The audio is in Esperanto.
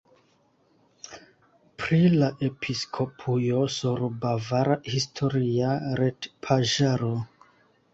Pri la episkopujo sur bavara historia retpaĝaro.